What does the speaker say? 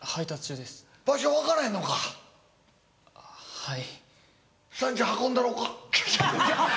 はい。